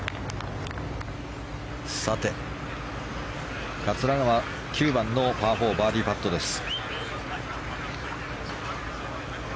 さて、桂川は９番のパー４バーディーパットです。